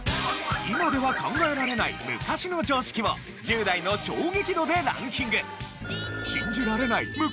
今では考えられない昔の常識を１０代の衝撃度でランキング。